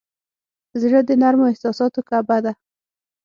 زړه د نرمو احساساتو کعبه ده.